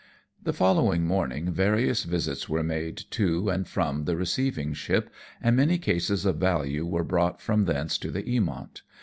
The following morning yarious visits are made to and from the receiving ship, and many cases of value are brought from thence to the Eamont.